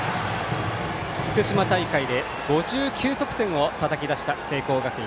福島大会で５９得点をたたき出した聖光学院。